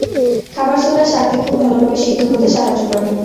খাবার সোডা শাক কে খুব ভালো ভাবে সিদ্ধ হতে সাহায্য করে।